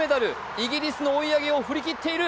イギリスの追い上げを振り切っている。